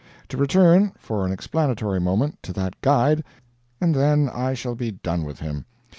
To return, for an explanatory moment, to that guide, and then I shall be done with him.